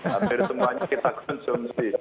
hampir semuanya kita konsumsi